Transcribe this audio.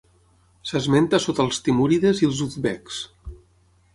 S'esmenta sota els timúrides i els uzbeks.